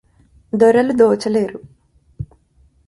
దొరలు దోచలేరు